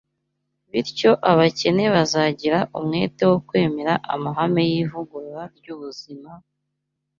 Bityo abakene bazagira umwete wo kwemera amahame y’ivugurura ry’ubuzima;